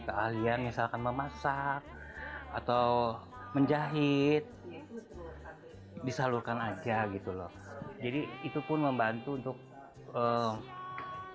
keahlian misalkan memasak atau menjahit disalurkan aja gitu loh jadi itupun membantu untuk keuangan ya